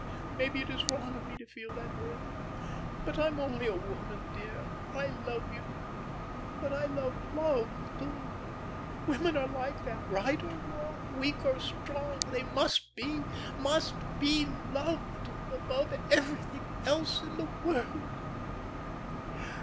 Maybe it is wrong of me to feel that way, but I'm only a woman, dear. I love you but I love Love too. Women are like that; right or wrong, weak or strong, they must be must be loved above everything else in the world.